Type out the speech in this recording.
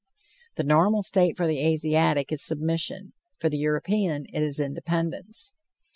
The normal state for the Asiatic is submission; for the European it is independence.